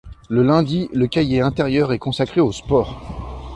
Le lundi, le cahier intérieur est consacré au sport.